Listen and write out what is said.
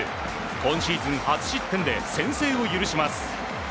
今シーズン初失点で先制を許します。